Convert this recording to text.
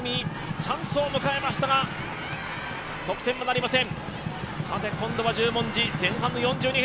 チャンスを迎えましたが得点はなりません。